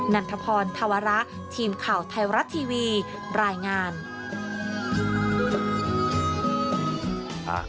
ันทพรธวระทีมข่าวไทยรัฐทีวีรายงาน